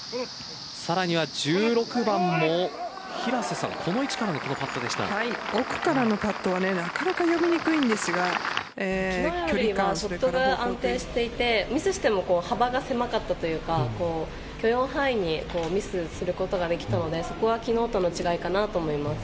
さらには１６番もこの位置からの奥からのパットは昨日よりは安定していてミスしても幅が狭かったというか許容範囲にミスすることができたのでそこは昨日との違いかなと思います。